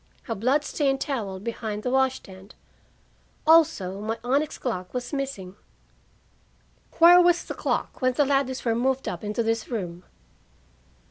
"A blood stained towel behind the wash stand. Also, my onyx clock was missing." "Where was the clock when the Ladleys were moved up into this room?"